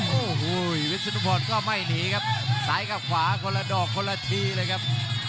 โอ้โหวิศนุพรก็ไม่หนีครับซ้ายกับขวาคนละดอกคนละทีเลยครับ